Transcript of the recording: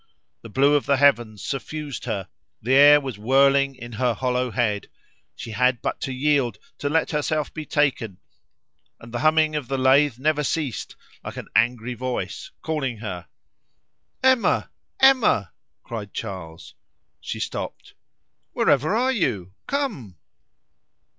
The blue of the heavens suffused her, the air was whirling in her hollow head; she had but to yield, to let herself be taken; and the humming of the lathe never ceased, like an angry voice calling her. "Emma! Emma!" cried Charles. She stopped. "Wherever are you? Come!"